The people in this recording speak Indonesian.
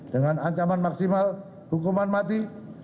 dengan ancaman maksimal hukuman mati